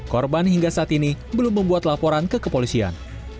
korban hingga saat ini belum membuat laporan ke kepolisian